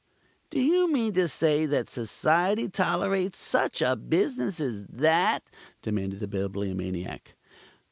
"Do you mean to say that Society tolerates such a business as that?" demanded the Bibliomaniac.